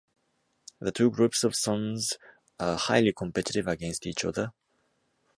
The two groups of sons are highly competitive against each other.